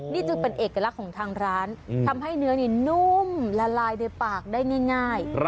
นี่จึงเป็นเอกลักษณ์ของทางร้านทำให้เนื้อนี่นุ่มละลายในปากได้ง่าย